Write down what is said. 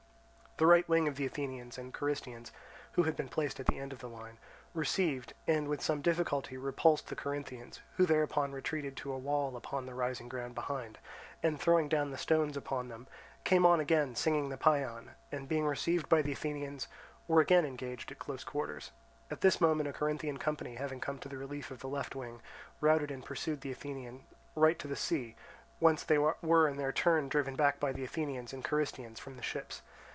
The right wing of the Athenians and Carystians, who had been placed at the end of the line, received and with some difficulty repulsed the Corinthians, who thereupon retreated to a wall upon the rising ground behind, and throwing down the stones upon them, came on again singing the paean, and being received by the Athenians, were again engaged at close quarters. At this moment a Corinthian company having come to the relief of the left wing, routed and pursued the Athenian right to the sea, whence they were in their turn driven back by the Athenians and Carystians from the ships.